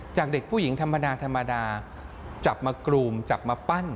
จากเด็กผู้หญิงธรรมดาธรรมดาจับมากรูมจับมาปั้น